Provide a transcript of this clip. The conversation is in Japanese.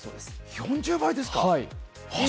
４０倍ですか！？